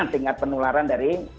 tingkat penularan dari